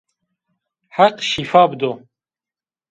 Heq şîfa bido